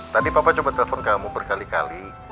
tadi papa coba telepon kamu berkali kali